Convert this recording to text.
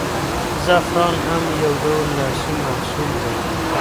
زعفران هم یو ډول لاسي محصول دی.